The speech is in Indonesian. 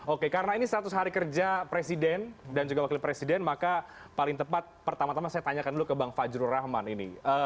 oke karena ini seratus hari kerja presiden dan juga wakil presiden maka paling tepat pertama tama saya tanyakan dulu ke bang fajrul rahman ini